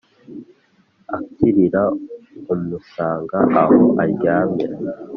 akirira amusanga aho aryamye